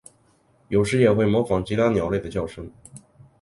有时也会模仿其他鸟类的叫声。